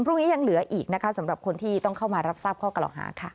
ยังเหลืออีกนะคะสำหรับคนที่ต้องเข้ามารับทราบข้อกล่าวหาค่ะ